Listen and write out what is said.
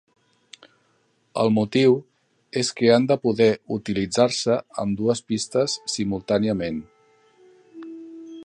El motiu és que han de poder utilitzar-se ambdues pistes simultàniament.